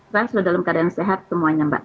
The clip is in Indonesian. saya sudah dalam keadaan sehat semuanya mbak